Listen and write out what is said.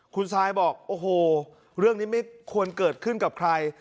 คุณซายบอกโอ้โหเรื่องนี้ไม่ควรเกิดขึ้นกับใคร